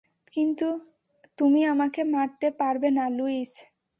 কিন্তু তুমি আমাকে মারতে পারবে না, লুইস।